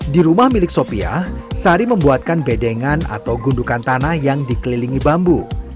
di rumah milik sopiah sari membuatkan bedengan atau gundukan tanah yang dikelilingi bambu